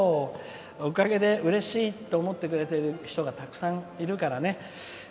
おかげで、うれしいと思ってくれている人がたくさんいるからね。